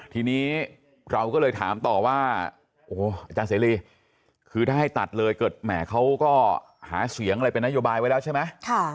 ทีนี้เราก็เลยถามต่อว่าโอ้โหอาจารย์เสรีคือถ้าให้ตัดเลยเกิดแหมเขาก็หาเสียงอะไรเป็นนโยบายไว้แล้วใช่ไหม